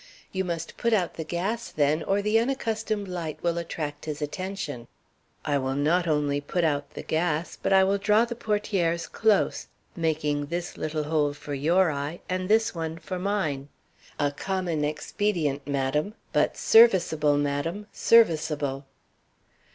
"You must put out the gas, then, or the unaccustomed light will attract his attention." "I will not only put out the gas, but I will draw the portières close, making this little hole for your eye and this one for mine. A common expedient, madam; but serviceable, madam, serviceable."